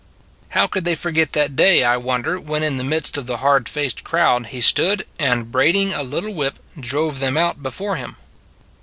How could they forget that day, I wonder, when in the midst of the hard faced crowd He stood, and braiding a little whip, drove them out before Him?